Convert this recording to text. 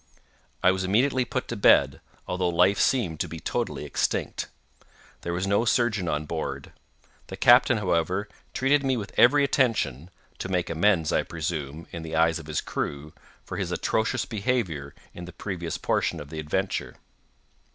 I was immediately put to bed—although life seemed to be totally extinct. There was no surgeon on board. The captain, however, treated me with every attention—to make amends, I presume, in the eyes of his crew, for his atrocious behaviour in the previous portion of the adventure.